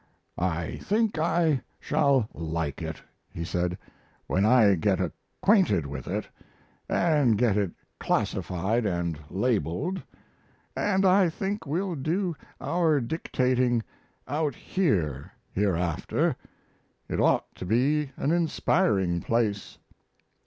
"I think I shall like it," he said, "when I get acquainted with it, and get it classified and labeled, and I think we'll do our dictating out here hereafter. It ought to be an inspiring place."